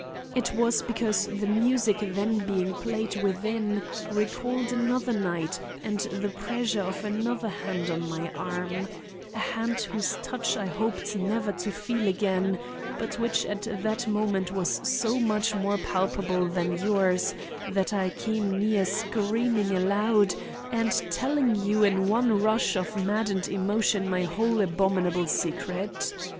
It was because the music then being played within recalled another night and the pressure of another hand on my arm—a hand whose touch I hoped never to feel again, but which at that moment was so much more palpable than yours that I came near screaming aloud and telling you in one rush of maddened emotion my whole abominable secret.